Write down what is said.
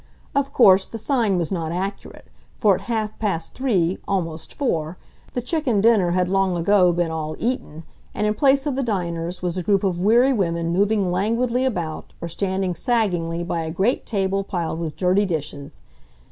Of course the sign was not accurate, for at half past three, almost four, the chicken dinner had long ago been all eaten and in place of the diners was a group of weary women moving languidly about or standing saggingly by a great table piled with dirty dishes.